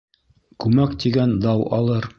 Күмәк тигән дау алыр.